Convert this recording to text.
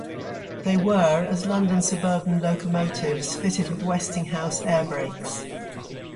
They were, as London suburban locomotives, fitted with Westinghouse air brakes.